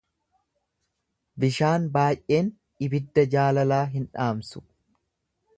Bishaan baay'een ibidda jaalalaa hin dhaamsu.